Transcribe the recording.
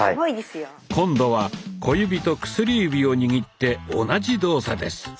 今度は小指と薬指を握って同じ動作です。